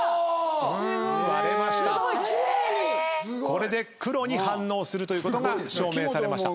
これで黒に反応するということが証明されました。